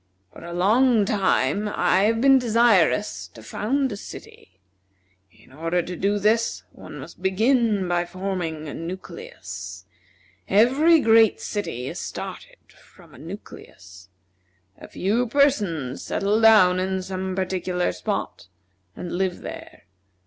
"For a long time I have been desirous to found a city. In order to do this one must begin by forming a nucleus. Every great city is started from a nucleus. A few persons settle down in some particular spot, and live there.